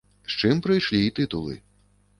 З чым прыйшлі і тытулы.